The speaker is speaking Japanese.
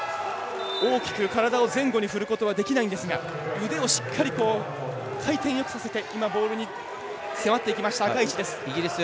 大きく体を前後に振ることはできないんですが腕をしっかり回転よくさせてボールに迫っていった赤石です。